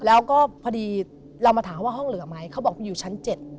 แล้วก็พอดีเรามาถามเขาว่าห้องเหลือไหมเขาบอกอยู่ชั้น๗